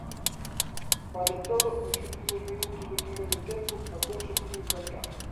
Malia todo, nos últimos minutos do primeiro tempo a cousas puído cambiar.